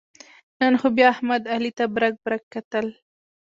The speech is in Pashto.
نن خو بیا احمد علي ته برگ برگ کتل.